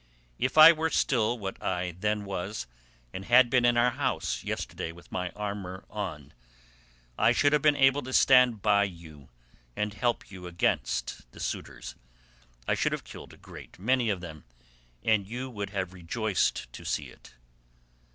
If I were still what I then was and had been in our house yesterday with my armour on, I should have been able to stand by you and help you against the suitors. I should have killed a great many of them, and you would have rejoiced to see it."